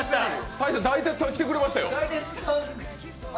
大晴、大鉄さん、来てくれましたよ。